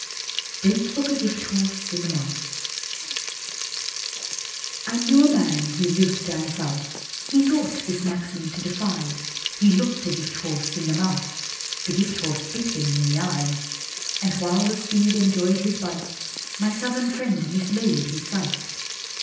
_ "Don't Look a Gifthorse in the Mouth" I knew a man, who lived down South; He thought this maxim to defy; He looked a Gifthorse in the Mouth; The Gifthorse bit him in the Eye! And, while the steed enjoyed his bite, My Southern friend mislaid his sight.